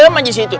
sama di situ